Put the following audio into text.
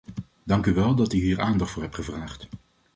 Dank u wel dat u hier aandacht voor hebt gevraagd.